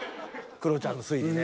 クロちゃんの推理ね。